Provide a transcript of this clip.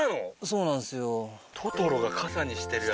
そうなんですよ。